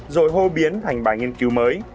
rồi hô biến thành bài nghiên cứu mới